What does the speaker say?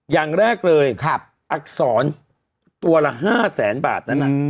อย่างแรกเลยอักษรตัวละ๕๐๐๐๐๐บาท